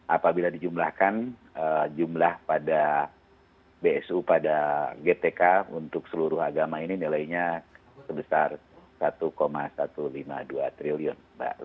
apabila dijumlahkan jumlah pada bsu pada gtk untuk seluruh agama ini nilainya sebesar rp satu satu ratus lima puluh dua triliun mbak